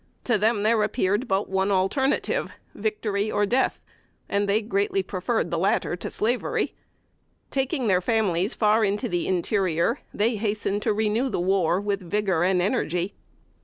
To them there appeared but one alternative victory or death; and they greatly preferred the latter to slavery. Taking their families far into the interior, they hastened to renew the war with vigor and energy.